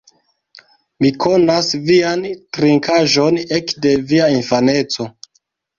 Mi konas vian trinkaĵon ekde via infaneco